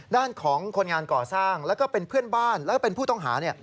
ด้านของคนงานก่อสร้างแล้วก็เป็นเพื่อนบ้านแล้วก็เป็นผู้ต้องหา